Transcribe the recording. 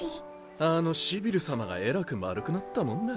あのシビル様がえらく丸くなったもんだ。